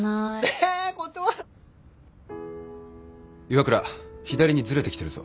岩倉左にずれてきてるぞ。